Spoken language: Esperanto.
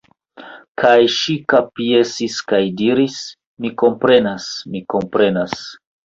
Kaj ŝi kapjesis kaj diris: Mi komprenas mi komprenas.